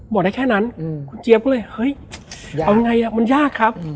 บอกได้แค่นั้นคุณเจี๊ยบก็เลยเฮ้ยเอาไงมันยากครับ